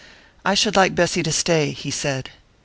"I should like Bessy to stay," he said.